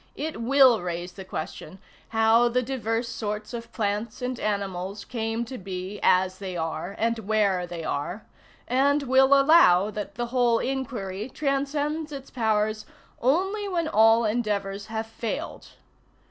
It will raise the question, how the diverse sorts of plants and animals came to be as they are and where they are, and will allow that the whole inquiry transcends its powers only when all endeavors have failed.